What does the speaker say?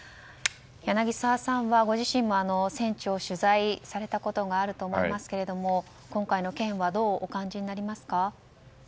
柳澤さんはご自身も戦地を取材されたことがあると思いますけれども今回の件はどうお感じになりますか。